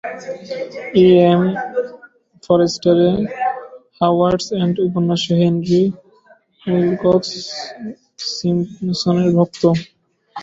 ই. M. ফরস্টারের "Howards End" উপন্যাসে Henry Wilcox সিম্পসনের ভক্ত।